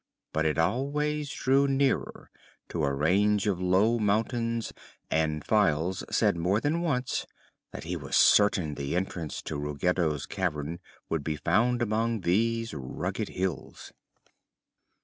But always it drew nearer to a range of low mountains and Files said more than once that he was certain the entrance to Ruggedo's cavern would be found among these rugged hills.